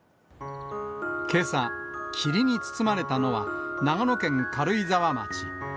けさ、霧に包まれたのは、長野県軽井沢町。